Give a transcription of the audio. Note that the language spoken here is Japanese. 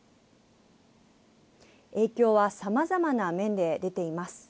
影響はさまざまな面で出ています。